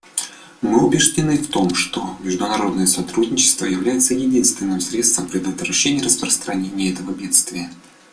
Мы убеждены в том, что международное сотрудничество является единственным средством предотвращения распространения этого бедствия.